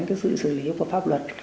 tức là sự xử lý của pháp luật